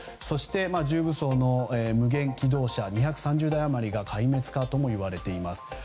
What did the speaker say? そして、重武装の無限軌道車２３０台余りが壊滅かともいわれています。